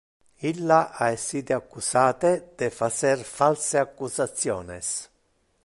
Illa ha essite accusate de facer false accusationes.